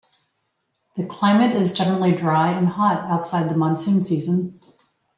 The climate is generally dry and hot outside of the monsoon season.